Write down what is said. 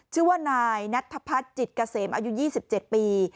ชื่อว่านายนัทภัทรจิตกาเสมอายุ๒๗ปี